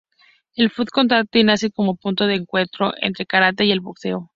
El full contact nace como punto de encuentro entre el Karate y el boxeo.